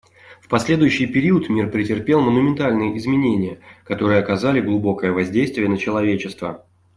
В последующий период мир претерпел монументальные изменения, которые оказали глубокое воздействие на человечество.